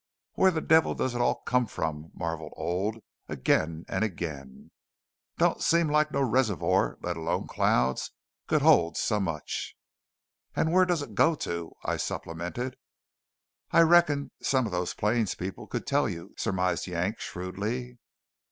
"Where the devil does it all come from?" marvelled Old, again and again. "Don't seem like no resevoy, let alone clouds, could hold so much!" "And where does it go to?" I supplemented. "I reckon some of those plains people could tell you," surmised Yank shrewdly.